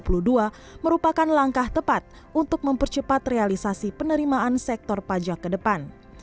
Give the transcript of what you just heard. menurut bima penerimaan pajak di tahun dua ribu dua puluh merupakan langkah tepat untuk mempercepat realisasi penerimaan sektor pajak ke depan